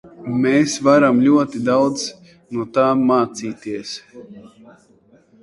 Mēs varam ļoti daudz no tām mācīties.